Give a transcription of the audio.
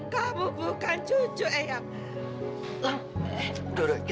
kamu bukan cucu eyang